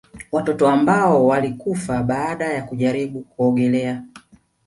Watoto ambao walikufa baada ya kujaribu kuogelea